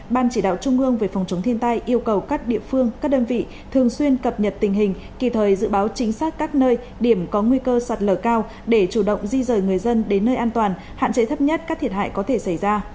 ban chỉ đạo trung ương về phòng chống thiên tai yêu cầu các địa phương các đơn vị thường xuyên cập nhật tình hình kỳ thời dự báo chính xác các nơi điểm có nguy cơ sạt lở cao để chủ động di rời người dân đến nơi an toàn hạn chế thấp nhất các thiệt hại có thể xảy ra